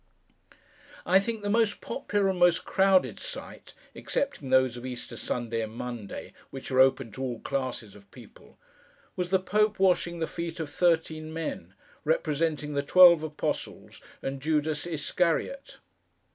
I think the most popular and most crowded sight (excepting those of Easter Sunday and Monday, which are open to all classes of people) was the Pope washing the feet of Thirteen men, representing the twelve apostles, and Judas Iscariot.